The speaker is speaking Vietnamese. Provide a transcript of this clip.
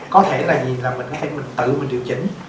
có thể là gì là mình có thể tự mình điều chỉnh